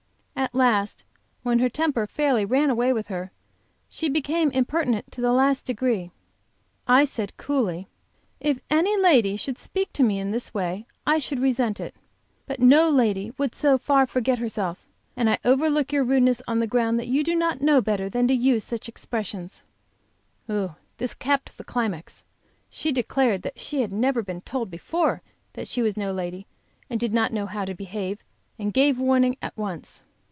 At last, when her temper fairly ran away with her, and she became impertinent to the last degree, I said, coolly: "If any lady should speak to me in this way I should resent it. But no lady would so far forget herself. And I overlook your rudeness on the ground that you do not know better than to use of such expressions." This capped the climax! She declared that she had never been told before that she was no and did not know how to behave, and gave warning at once.